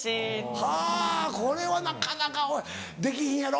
はぁこれはなかなかできひんやろ？